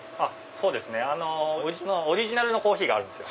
うちのオリジナルのコーヒーがあるんですよ。